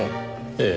ええ。